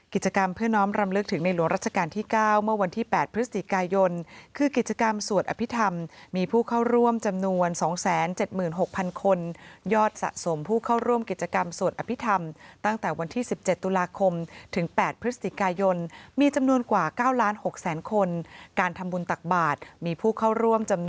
กิจกรรมเพื่อน้ำรำเลือกถึงในหลวงรัชการที่เก้าเมื่อวันที่แปดพฤศจิกายนคือกิจกรรมสวดอภิธรรมมีผู้เข้าร่วมจำนวนสองแสนเจ็ดหมื่นหกพันคนยอดสะสมผู้เข้าร่วมกิจกรรมสวดอภิธรรมตั้งแต่วันที่สิบเจ็ดตุลาคมถึงแปดพฤศจิกายนมีจำนวนกว่าเก้าล้านหกแสนคนการทำ